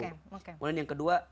kemudian yang kedua